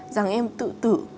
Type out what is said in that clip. rằng em tự tử